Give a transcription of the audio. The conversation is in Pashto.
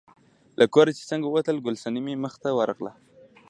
له کوره چې څنګه ووتل، ګل صنمې مخې ته ورغله.